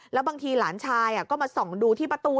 แล้วบางทีหลานชายก็มาส่องดูที่ประตู